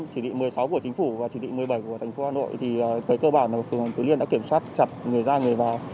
tại địa bàn phường tứ liên đã kiểm soát chặt người ra người vào